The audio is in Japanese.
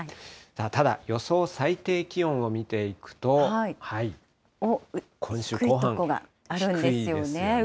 ただ予想最低気温を見ていくと、今週後半、低いですよね。